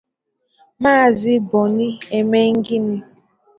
Maazị Bonny Emengini